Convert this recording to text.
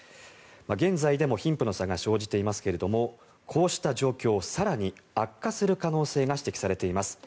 現在でも貧富の差が生じていますがこうした状況を更に悪化する可能性が指摘されています。